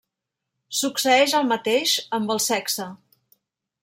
Succeeix el mateix amb el sexe.